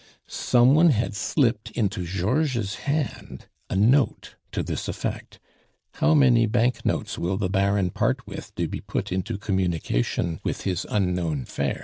"Some one had slipped into Georges' hand a note to this effect: 'How many banknotes will the Baron part with to be put into communication with his unknown fair?